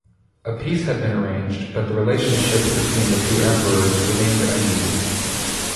A peace had been arranged but the relationship between the two emperors remained uneasy.